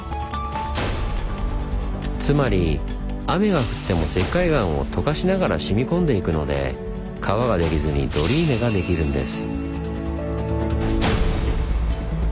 つまり雨が降っても石灰岩を溶かしながらしみこんでいくので川ができずにドリーネができるんです。